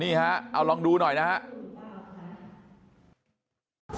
นี่ฮะเอาลองดูหน่อยนะครับ